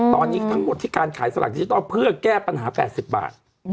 ตอนนี้ทั้งหมดที่การขายสลักดิจิทัลเพื่อแก้ปัญหา๘๐บาท